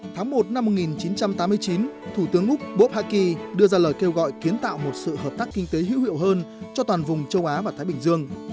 tháng một năm một nghìn chín trăm tám mươi chín thủ tướng úc bốp haki đưa ra lời kêu gọi kiến tạo một sự hợp tác kinh tế hữu hiệu hơn cho toàn vùng châu á và thái bình dương